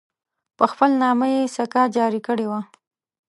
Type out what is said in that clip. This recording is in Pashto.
په خپل نامه یې سکه جاري کړې وه.